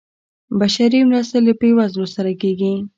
بشري مرستې له بیوزلو سره کیږي